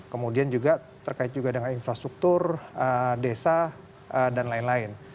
kemudian juga terkait juga dengan infrastruktur desa dan lain lain